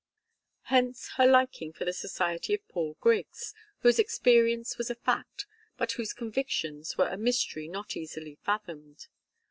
Hence her liking for the society of Paul Griggs, whose experience was a fact, but whose convictions were a mystery not easily fathomed.